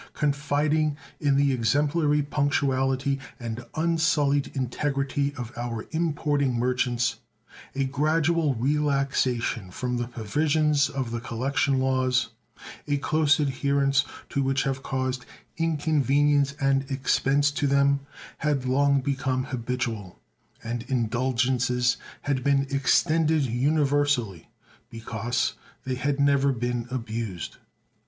Confiding in the exemplary punctuality and unsullied integrity of our importing merchants, a gradual relaxation from the provisions of the collection laws, a close adherence to which have caused inconvenience and expense to them, had long become habitual, and indulgences had been extended universally because they had never been abused.